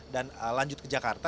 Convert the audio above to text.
dan lanjut ke jakarta